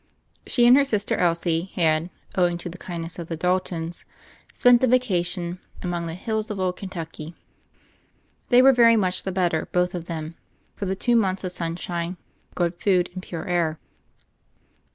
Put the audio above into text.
She and her sister Elsie had, owing to the kindness of the Daltons, spent the vacation among the ^'hills of old Kentucky." They were very much the bet ter, both of them, for their two months of sun shine, good food, and pure air.